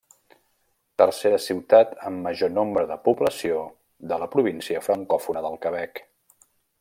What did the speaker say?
Tercera ciutat amb major nombre de població de la província francòfona del Quebec.